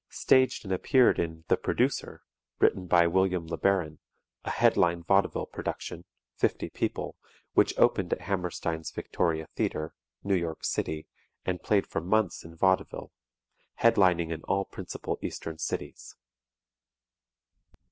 Staged and appeared in "The Producer," written by William Lebaron, a headline vaudeville production (fifty people) which opened at Hammerstein's Victoria Theatre, New York City, and played for months in vaudeville, headlining in all principal eastern cities.